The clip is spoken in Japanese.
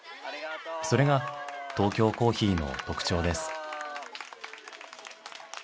それがトーキョーコーヒーの特徴です。